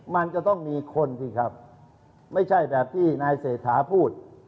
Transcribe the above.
มันจะต้องมีคนสิครับไม่ใช่แบบที่นายเศรษฐาพูด